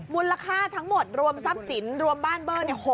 มูลค่าทั้งหมดรวมทรัพย์สินรวมบ้านเบอร์